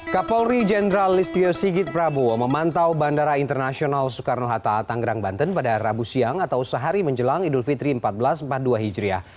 kapolri jenderal listio sigit prabowo memantau bandara internasional soekarno hatta tanggerang banten pada rabu siang atau sehari menjelang idul fitri seribu empat ratus empat puluh dua hijriah